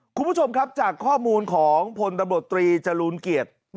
คุณผู้ชมครับจากข้อมูลของพลตำรวจตรีจรูลเกียรติ